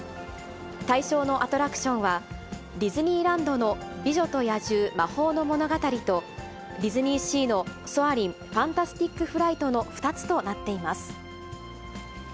対象のアトラクションは、ディズニーランドの美女と野獣魔法のものがたりと、ディズニーシーのソアリンファンタスティック・フライトの２つとなっています。